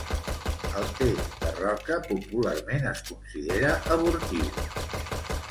El te de roca popularment es considera abortiu.